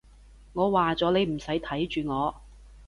我話咗，你唔使睇住我